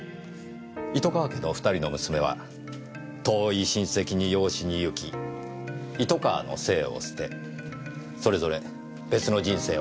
糸川家のお２人の娘は遠い親戚に養子に行き糸川の姓を捨てそれぞれ別の人生を歩みました。